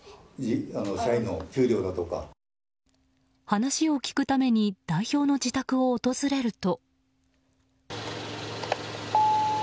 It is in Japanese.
話を聞くために代表の自宅を訪れると。